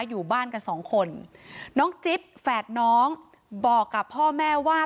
อยู่บ้านกันสองคนน้องจิ๊บแฝดน้องบอกกับพ่อแม่ว่า